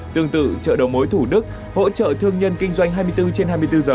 tương tự chợ đầu mối thủ đức hỗ trợ thương nhân kinh doanh hai mươi bốn trên hai mươi bốn giờ